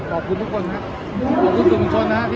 ช่วยช่วยท่านช่วยช่วยช่วยท่านสุดคนนะฮะที่